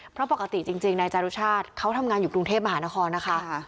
เพราะปกติจริงนายจารุชาติเขาทำงานอยู่กรุงเทพมหานครนะคะ